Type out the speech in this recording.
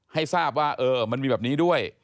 ให้ทราบว่ามันมีแบบนี้ด้วย